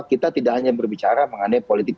kita tidak hanya berbicara mengenai politik